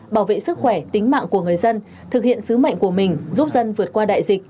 bảo vệ sức khỏe tính mạng của người dân thực hiện sứ mệnh của mình giúp dân vượt qua đại dịch